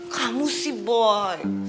kamu sih boy